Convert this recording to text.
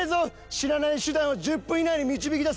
死なない手段を１０分以内に導き出せ。